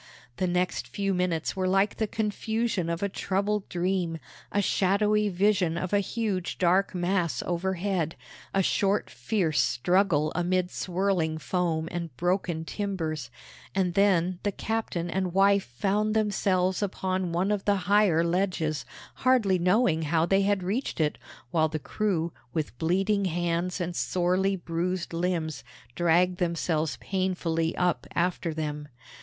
The next few minutes were like the confusion of a troubled dream a shadowy vision of a huge dark mass overhead, a short fierce struggle amid swirling foam and broken timbers and then the captain and wife found themselves upon one of the higher ledges, hardly knowing how they had reached it, while the crew, with bleeding hands and sorely bruised limbs, dragged themselves painfully up after them.